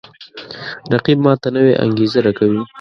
رقیب ما ته نوی انگیزه راکوي